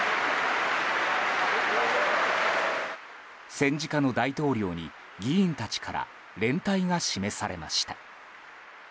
戦時下の大統領に、議員たちから連帯が示されました。